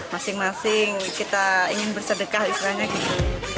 masing masing kita ingin bersedekah istilahnya gini